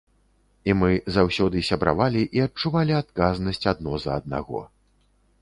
І мы заўсёды сябравалі і адчувалі адказнасць адно за аднаго.